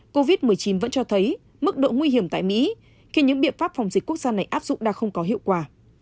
covid một mươi chín vẫn cho thấy mức độ nguy hiểm tại mỹ khi những biện pháp phòng dịch quốc gia này áp dụng đã không có hiệu quả